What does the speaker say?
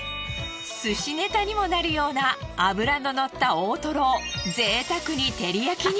寿司ネタにもなるような脂ののった大トロをぜいたくに照り焼きに。